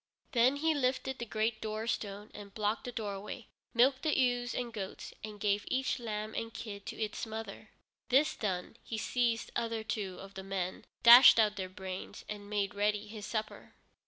Then he lifted the great doorstone and blocked the doorway, milked the ewes and goats, and gave each lamb and kid to its mother. This done, he seized other two of the men, dashed out their brains, and made ready his supper.